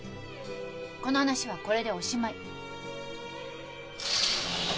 この話はこれでおしまい。